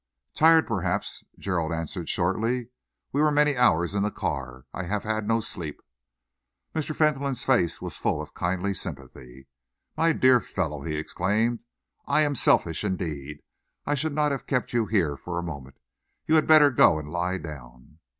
"Tired, perhaps," Gerald answered shortly. "We were many hours in the car. I have had no sleep." Mr. Fentolin's face was full of kindly sympathy. "My dear fellow," he exclaimed, "I am selfish, indeed! I should not have kept you here for a moment. You had better go and lie down."